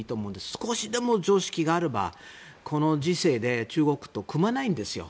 少しでも常識があればこの時世で中国と組まないんですよ